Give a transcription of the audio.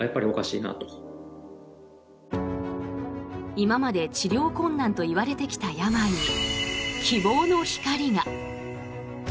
今まで治療困難といわれてきた病に希望の光が。